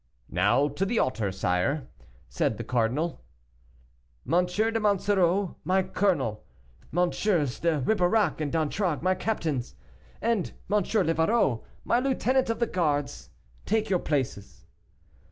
"Now to the altar, sire," said the cardinal. "Monsieur de Monsoreau my colonel, MM. de Ribeirac and d'Antragues my captains, and M. Livarot, my lieutenant of the guards, take your places."